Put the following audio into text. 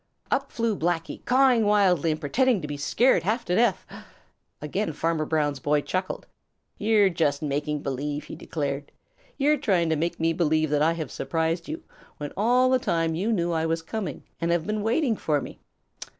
Up flew Blacky cawing wildly, and pretending to be scared half to death. Again Farmer Brown's boy chuckled. "You're just making believe," he declared. "You're trying to make me believe that I have surprised you, when all the time you knew I was coming and have been waiting for me.